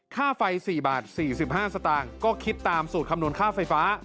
ค่าไฟ๔บาท๔๕สตางค์ก็คิดตามสูตรคำนวณค่าไฟฟ้า